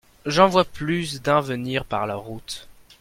J'en vois plus d'un venir par la route.